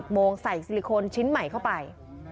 โมงใส่ซิลิโคนชิ้นใหม่เข้าไป